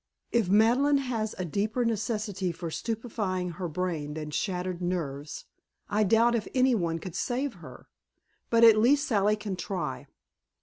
If Madeleine has a deeper necessity for stupefying her brain than shattered nerves, I doubt if any one could save her. But at least Sally can try.